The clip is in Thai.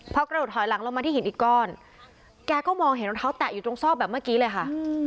พอกระโดดถอยหลังลงมาที่หินอีกก้อนแกก็มองเห็นรองเท้าแตะอยู่ตรงซอกแบบเมื่อกี้เลยค่ะ